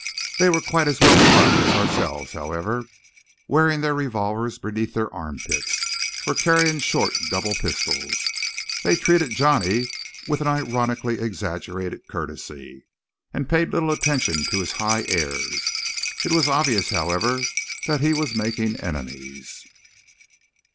They were quite as well armed as ourselves, however, wearing their revolvers beneath their armpits, or carrying short double pistols. They treated Johnny with an ironically exaggerated courtesy, and paid little attention to his high airs. It was obvious, however, that he was making enemies.